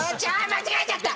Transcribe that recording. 間違えちゃった！